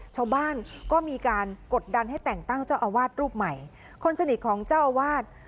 ชาวบ้านก็มีการกดดันให้แต่งตั้งเจ้าอาวาสรูปใหม่คนสนิทของเจ้าอาวาส